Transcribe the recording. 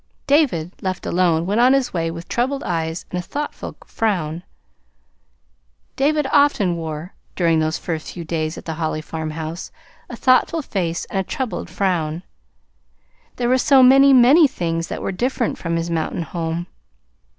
David, left alone, went on his way with troubled eyes and a thoughtful frown. David often wore, during those first few days at the Holly farmhouse, a thoughtful face and a troubled frown. There were so many, many things that were different from his mountain home.